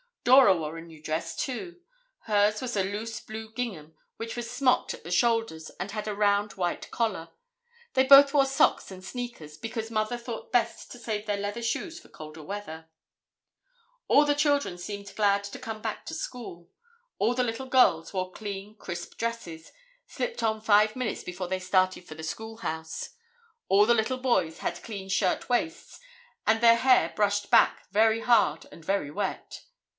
Dora wore a new dress, too. Hers was a loose blue gingham which was smocked at the shoulders and had a round white collar. They both wore socks and sneakers, because Mother thought best to save their leather shoes for colder weather. All the children seemed glad to come back to school. All the little girls wore clean crisp dresses, slipped on five minutes before they started for the schoolhouse. All the little boys had clean shirt waists and their hair brushed back very hard and very wet.